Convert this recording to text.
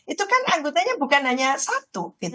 itu kan anggotanya bukan hanya satu